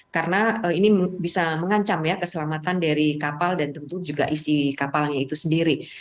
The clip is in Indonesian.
karena ini bisa menghancam keselamatan dari kapal dan tentu juga isi kapalnya itu sendiri